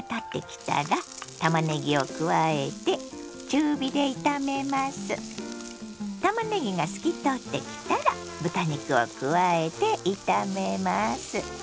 たまねぎが透き通ってきたら豚肉を加えて炒めます。